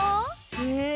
へえ！